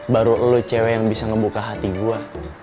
baru lo cewek cewek yang bisa ngebuka hati gue